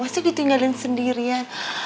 masa ditinggalin sendirian